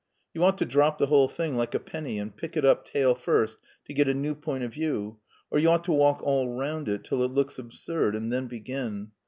You ought to drop the whole thing like a penny, and pick it up tail first to get a new point of view, or you ought to walk all round it till it looks absurd and then begin.